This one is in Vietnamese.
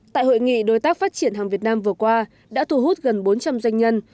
tại hội nghị đối tác phát triển hàng việt nam vừa qua đã thu hút gần bốn trăm linh doanh nhân